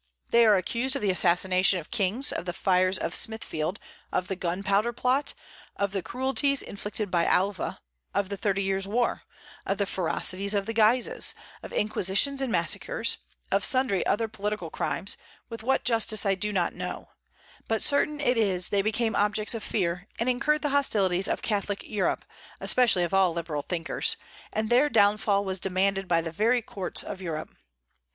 They are accused of the assassination of kings, of the fires of Smithfield, of the Gunpowder Plot, of the cruelties inflicted by Alva, of the Thirty Years' War, of the ferocities of the Guises, of inquisitions and massacres, of sundry other political crimes, with what justice I do not know; but certain it is they became objects of fear, and incurred the hostilities of Catholic Europe, especially of all liberal thinkers, and their downfall was demanded by the very courts of Europe.